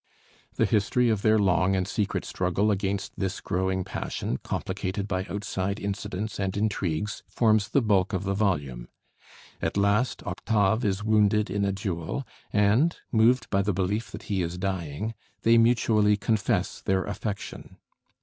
The history of their long and secret struggle against this growing passion, complicated by outside incidents and intrigues, forms the bulk of the volume. At last Octave is wounded in a duel, and moved by the belief that he is dying, they mutually confess their affection.